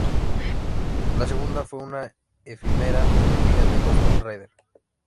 La segunda fue una efímera enemiga de Ghost Rider.